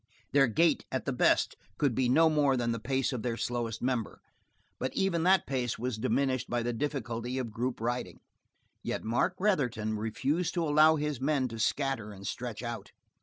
Their gait at the best could not be more than the pace, of their slowest member, but even that pace was diminished by the difficulties of group riding. Yet Mark Retherton refused to allow his men to scatter and stretch out.